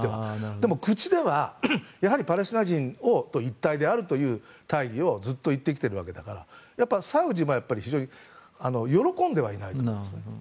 でも、口ではやはりパレスチナ人と一体であるという大義をずっと言ってきているからサウジも非常に喜んではいない。